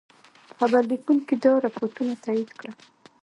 خبرلیکونکي دا رپوټونه تایید کړل.